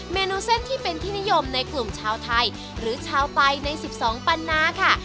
เมนูเส้นที่เป็นที่นิยมในกลุ่มชาวไทยหรือชาวไตใน๑๒ปันนาค่ะ